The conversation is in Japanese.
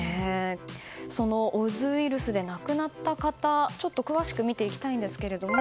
そのオズウイルスで亡くなった方ちょっと詳しく見ていきたいんですが。